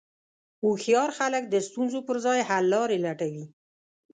هوښیار خلک د ستونزو پر ځای حللارې لټوي.